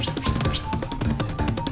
siap siap siap siap